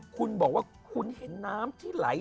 คุณบอกว่าคุณเห็นน้ำที่ไหล